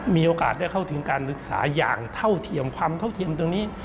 มีโอกาสได้เข้าถึงการศึกษาอย่างเท่าเทียมความเท่าเทียมตรงนี้